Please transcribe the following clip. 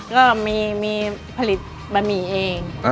ก็มีผลิตบะหมี่เอง